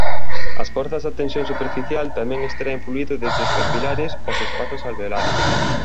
As forzas da tensión superficial tamén extraen fluído desde os capilares aos espazos alveolares.